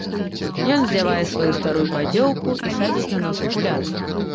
Ён здзявае сваю старую паддзёўку і садзіць на нос акуляры.